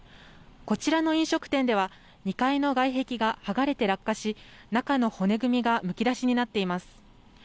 こちらの飲食店では２階の外壁が剥がれて落下し、中の骨組みがむき出しになっています。